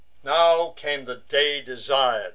Now came the day desir'd.